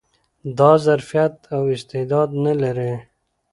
دا ظرفيت او استعداد نه لري